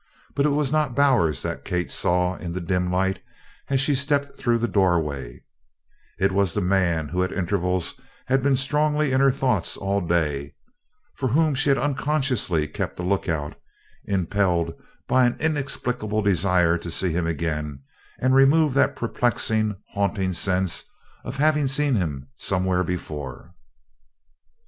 But it was not Bowers that Kate saw in the dim light as she stepped through the doorway it was the man who at intervals had been strongly in her thoughts all day, for whom she had unconsciously kept a lookout, impelled by an inexplicable desire to see him again and remove that perplexing, haunting sense of having seen him somewhere before.